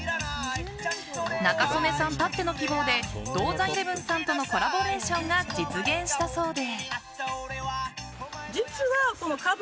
仲宗根さんたっての希望でＤＯＺＡＮ１１さんとのコラボレーションが実現したそうで。